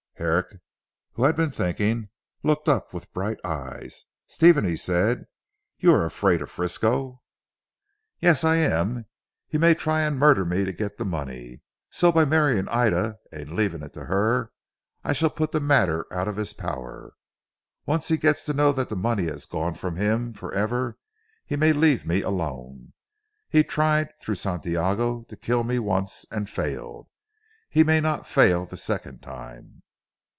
Herrick who had been thinking, looked up with bright eyes. "Stephen," he said, "you are afraid of Frisco." "Yes, I am. He may try and murder me to get the money, so by marrying Ida and leaving it to her, I shall put the matter out of his power. Once he gets to know that the money has gone from him for ever, he may leave me alone. He tried through Santiago to kill me once, and failed. He may not fail the second time."